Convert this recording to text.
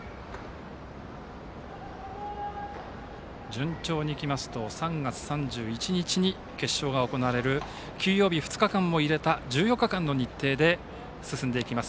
順調に行きますと３月３１日に決勝が行われる休養日２日間も入れた１４日間の日程で進んでいきます